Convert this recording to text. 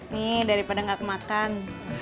nih daripada gak kemakan